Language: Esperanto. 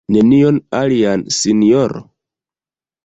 Nenion alian, sinjoro?